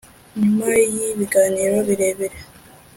Nyuma y ibiganiro birebire